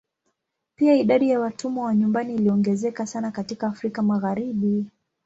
Pia idadi ya watumwa wa nyumbani iliongezeka sana katika Afrika Magharibi.